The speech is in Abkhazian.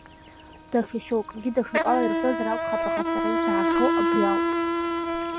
Даҽа шьоукгьы даҽакала ирҳәозар акәхап, аха сара исаҳахьоу абри ауп.